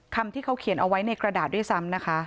คำที่เขาเขียนเอาไว้ในกระดาษด้วยซ้ำนะคะ